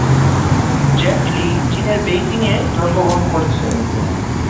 Jet Li চীনের বেইজিংয়ে জন্মগ্রহণ করেছেন।